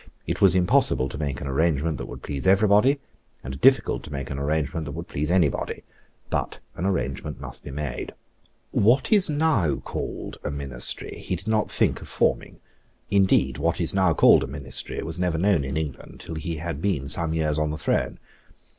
It was impossible to make an arrangement that would please every body, and difficult to make an arrangement that would please any body; but an arrangement must be made. What is now called a ministry he did not think of forming. Indeed what is now called a ministry was never known in England till he had been some years on the throne.